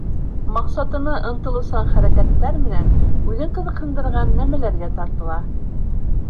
Маҡсатына ынтылыусан хәрәкәттәр менән үҙен ҡыҙыҡһындырған нәмәләргә тартыла.